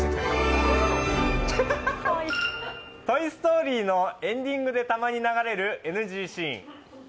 「トイ・ストーリー」のエンディングでたまに流れるＮＧシーン。